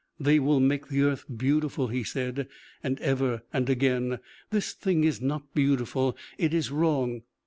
"They will make the earth beautiful," he said, and ever and again: "This thing is not beautiful. It is wrong."